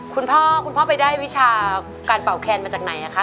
คุณพ่อคุณพ่อไปได้วิชาการเป่าแคนมาจากไหนคะ